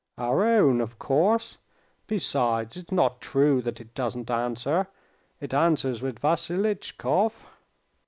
"Our own, of course. Besides, it's not true that it doesn't answer. It answers with Vassiltchikov."